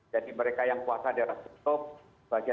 jadi mereka yang puasa di rata rata lagi tetap biasa patrick